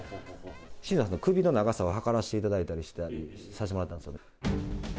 新庄さんの首の長さを測らせていただいたりさせてもらったんですね。